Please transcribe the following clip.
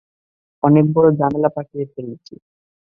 অনেক বড় ঝামেলা পাকিয়ে ফেলেছি।